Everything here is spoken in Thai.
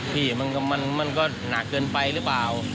พี่มันก็หนักเกินไปหรือเปล่า